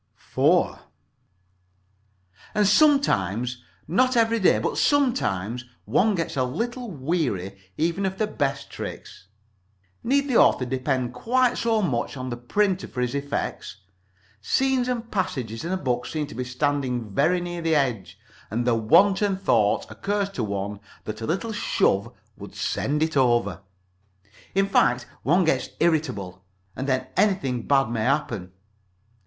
IV And sometimes, not every day but sometimes, one gets a little weary even of the best tricks. Need the author depend quite so much on the printer for his effects? Scenes and passages in a book seem to be standing very near the edge, and the wanton thought occurs to one that a little shove would send them over. In fact, one gets irritable. And then anything bad may happen.